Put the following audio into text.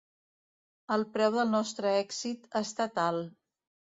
El preu del nostre èxit ha estat alt.